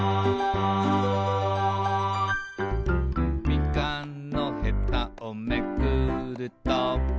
「みかんのヘタをめくると」